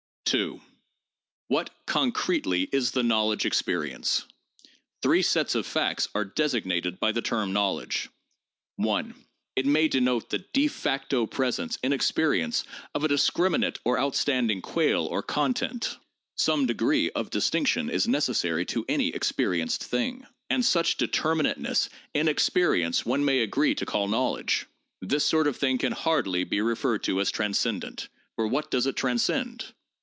2. What, concretely, is the knowledge experience ? Three sets of facts are designated by the term knowledge: (1) It may denote the de facto presence in experience of a discriminate or outstanding quale or content. Some degree of distinction is necessary to any experi enced thing, and such determinateness in experience one may agree to call knowledge. This sort of thing can hardly be referred to as transcendent— for what does it transcend